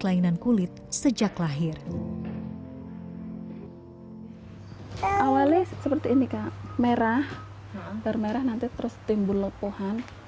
kelainan kulit sejak lahir awalnya seperti ini kak merah nanti terus timbul lepuhan